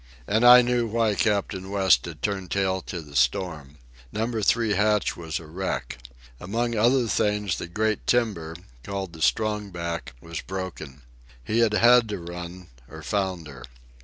And I knew why Captain West had turned tail to the storm. Number Three hatch was a wreck. Among other things the great timber, called the "strong back," was broken. He had had to run, or founder.